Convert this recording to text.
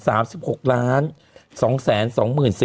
มันติดคุกออกไปออกมาได้สองเดือน